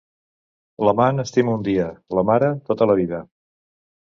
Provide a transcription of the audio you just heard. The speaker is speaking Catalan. L'amant estima un dia; la mare, tota la vida.